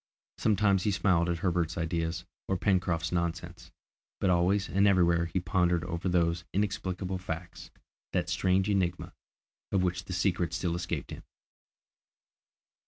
Sometimes he smiled at Herbert's ideas or Pencroft's nonsense, but always and everywhere he pondered over those inexplicable facts, that strange enigma, of which the secret still escaped him!